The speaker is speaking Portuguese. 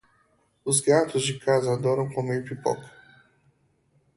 Os gatos de casa adoram comer pipoca.